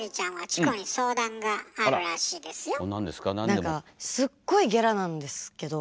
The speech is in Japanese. なんかすっごいゲラなんですけど。